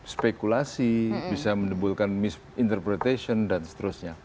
spekulasi bisa menimbulkan misinterpretation dan seterusnya